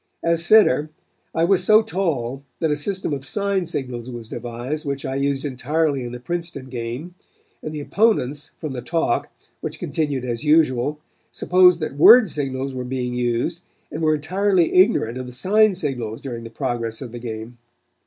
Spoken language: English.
As center, I was so tall that a system of sign signals was devised which I used entirely in the Princeton game, and the opponents, from the talk, which continued as usual, supposed that word signals were being used and were entirely ignorant of the sign signals during the progress of the game.